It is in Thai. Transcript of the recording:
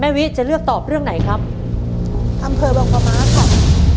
แม่วิทย์จะเลือกตอบเรื่องไหนครับอำเภอบางประมาทครับ